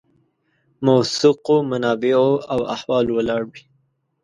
موثقو منابعو او حوالو ولاړ وي.